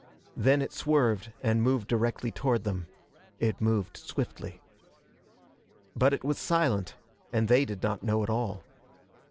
Then it swerved and moved directly toward them. It moved swiftly. But it was silent, and they did not know at all.